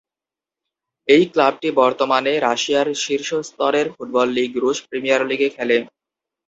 এই ক্লাবটি বর্তমানে রাশিয়ার শীর্ষ স্তরের ফুটবল লীগ রুশ প্রিমিয়ার লীগে খেলে।